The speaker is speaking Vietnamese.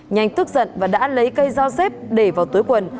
nhanh tức giận và đã lấy cây dao xếp để vào túi quần